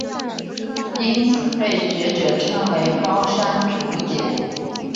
因此被学者称为包山楚简。